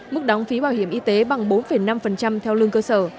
mức đóng phí bảo hiểm y tế bằng bốn năm theo lương cơ sở